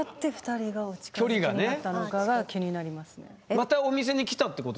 またお店に来たってことですか？